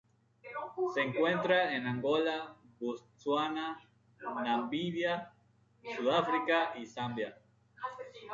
Se encuentra en Angola, Botsuana, Namibia, Sudáfrica, y Zambia.